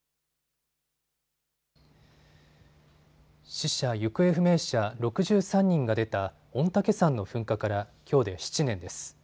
死者・行方不明者６３人が出た御嶽山の噴火からきょうで７年です。